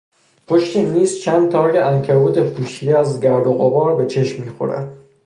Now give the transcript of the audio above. پشت میز چند تار عنکبوت پوشیده از گرد و غبار به چشم میخورد.